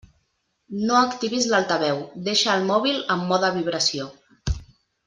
No activis l'altaveu, deixa el mòbil en mode vibració.